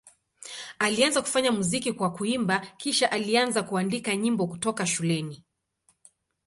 Alianza kufanya muziki kwa kuimba, kisha alianza kuandika nyimbo kutoka shuleni.